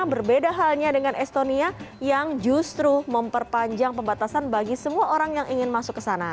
berbeda halnya dengan estonia yang justru memperpanjang pembatasan bagi semua orang yang ingin masuk ke sana